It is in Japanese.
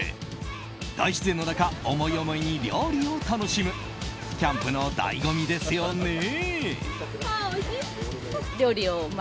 大自然の中思い思いに料理を楽しむキャンプの醍醐味ですよね！